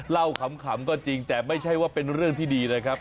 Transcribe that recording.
ขำก็จริงแต่ไม่ใช่ว่าเป็นเรื่องที่ดีนะครับ